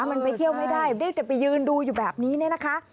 มันไปเที่ยวไม่ได้ได้แต่ไปยืนดูอยู่แบบนี้เนี่ยนะคะ